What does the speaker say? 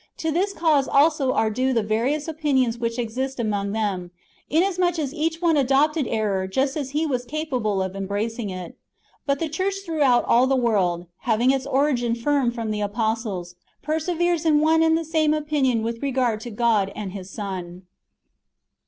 To this cause also are due the various opinions which exist among them, inasmuch as each one adopted error just as he was capable^ [of embracing it]. But the church throughout all the world, having its origin firm from the apostles, perseveres in one and the same opinion with regard to God and His Son.